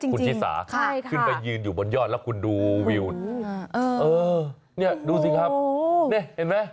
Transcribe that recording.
คุณชิสาขึ้นไปยืนอยู่บนยอดแล้วคุณดูวิวนี่ดูสิครับนี่เห็นไหม